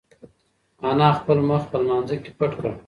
انا خپل مخ په لمانځه کې پټ کړ.